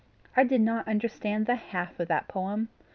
I did not understand the half of that poem.